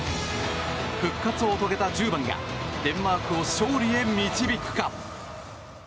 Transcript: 復活を遂げた１０番がデンマークを勝利へ導くか？